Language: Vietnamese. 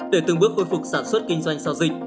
để từng bước khôi phục sản xuất kinh doanh sau dịch